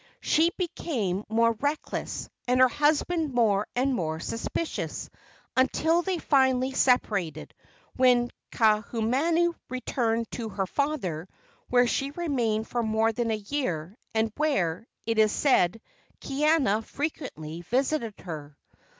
She became more reckless, and her husband more and more suspicious, until they finally separated, when Kaahumanu returned to her father, where she remained for more than a year, and where, it is said, Kaiana frequently visited her.